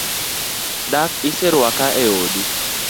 Dak iseruaka e odi?